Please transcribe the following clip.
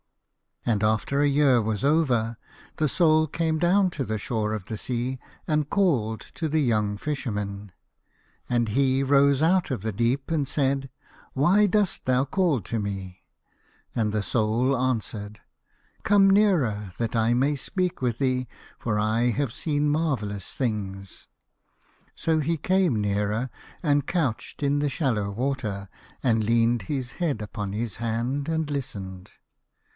And after a year was over the Soul came down to the shore of the sea and called to the young Fisherman, and he rose out of the deep, and said, " Why dost thou call to me ?" And the Soul answered, " Come nearer, that I may speak with thee, for I have seen mar vellous things." So he came nearer, and couched in the shallow water, and leaned his head upon his hand and listened.